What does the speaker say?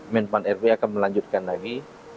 menpan rbi akan melanjutkan lagi